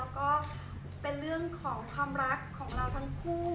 ก็เป็นเรื่องของความรักของเราทั้งคู่